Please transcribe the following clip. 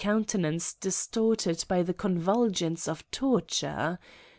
6^ countenance distorted by the convulsions of tor ture